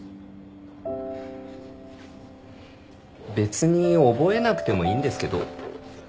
別に覚えなくてもいいんですけど。